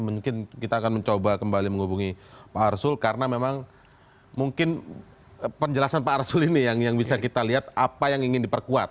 mungkin kita akan mencoba kembali menghubungi pak arsul karena memang mungkin penjelasan pak arsul ini yang bisa kita lihat apa yang ingin diperkuat